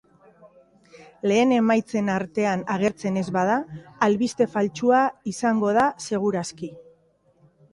Lehen emaitzen artean agertzen ez bada, albiste faltsua izango da segur aski.